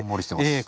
ええ。